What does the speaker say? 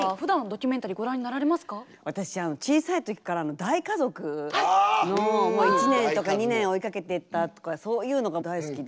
私小さい時から大家族の１年とか２年追いかけてったとかそういうのが大好きで。